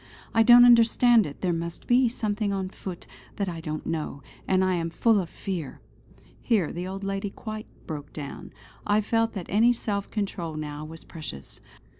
I don't understand it; there must be something on foot that I don't know; and I am full of fear!" Here the old lady quite broke down. I felt that any self control now was precious.